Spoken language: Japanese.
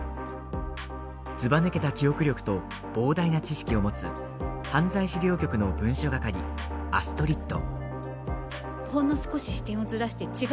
ずばぬけた記憶力と膨大な知識を持つ犯罪資料局の文書係アストリッド。